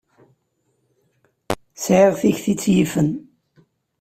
Sɛiɣ tikti i tt-yifen.